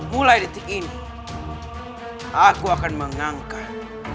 mulai detik ini aku akan mengangkat